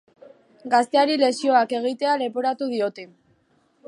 Gazteari lesioak egitea leporatu diote.